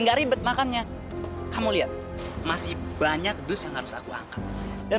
enggak ribet makannya kamu lihat masih banyak dus yang harus aku angkat dan